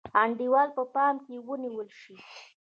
انډول په پام کې ونیول شي.